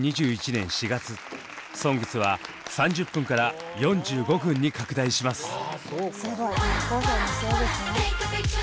２０２１年４月「ＳＯＮＧＳ」は３０分から４５分に拡大します。